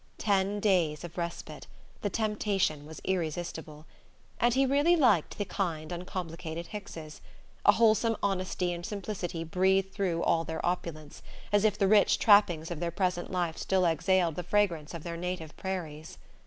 Ten days of respite the temptation was irresistible. And he really liked the kind uncomplicated Hickses. A wholesome honesty and simplicity breathed through all their opulence, as if the rich trappings of their present life still exhaled the fragrance of their native prairies.